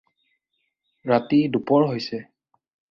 ৰাতি দুপৰ হৈছে।